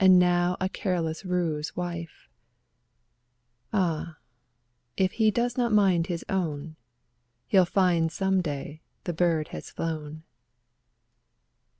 And now a careless roue's wife Ah, if he does not mind his own. He'll find some day the bird has flown